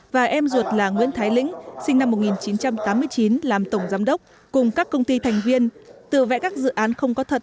và em ruột là nguyễn thái lĩnh sinh năm một nghìn chín trăm tám mươi chín làm tổng giám đốc cùng các công ty thành viên tự vẽ các dự án không có thật